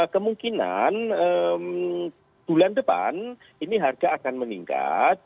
kemungkinan bulan depan ini harga akan meningkat